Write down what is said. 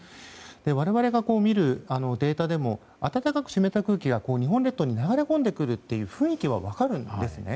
我々が見るデータでも暖かく湿った空気が日本列島に流れ込んでくるという雰囲気は分かるんですね。